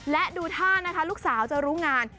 และดูท่านะคะลูกสาวจะรู้งาน